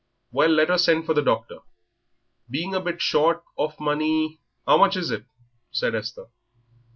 "Well, let her send for the doctor." "Being a bit short of money " "How much is it?" said Esther.